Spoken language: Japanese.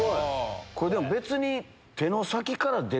これでも別に。